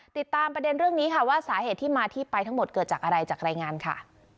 ติดตามประเด็นเรื่องนี้ค่ะว่าสาเหตุที่มาที่ไปทั้งหมดเกิดจากอะไรจากรายงานค่ะ